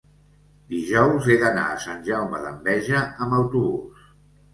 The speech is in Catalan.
dijous he d'anar a Sant Jaume d'Enveja amb autobús.